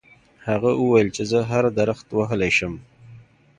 هغه وویل چې زه هر درخت وهلی شم.